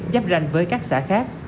giáp ranh với các xã khác